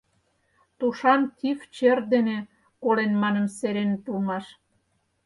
Тушан тиф чер дене колен манын сереныт улмаш.